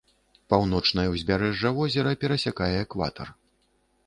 Паўночнае ўзбярэжжа возера перасякае экватар.